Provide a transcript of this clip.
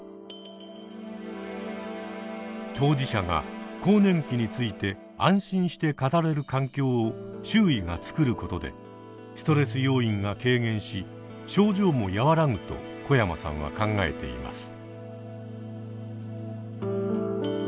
当事者が更年期について安心して語れる環境を周囲がつくることでストレス要因が軽減し症状も和らぐと小山さんは考えています。